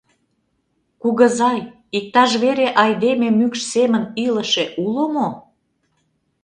Кугызай, иктаж вере айдеме мӱкш семын илыше уло мо?